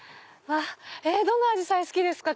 どのアジサイ好きですか？